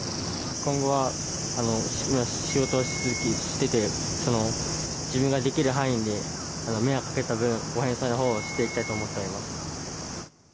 今後は、今、仕事をしていて、自分ができる範囲で迷惑をかけた分、ご返済のほうをしていきたいと思います。